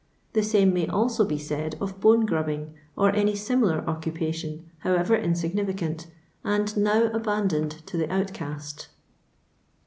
The same may also be said of bone grubbing, or any similar occupation, however insignificant, and now abandoned to the outcast.